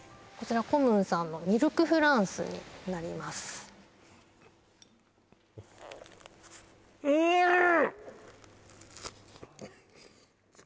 コムンさんのミルクフランスになりますうっ！